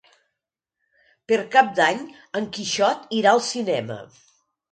Per Cap d'Any en Quixot irà al cinema.